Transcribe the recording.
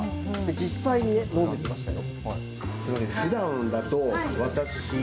実際にね、飲んでみましたよ。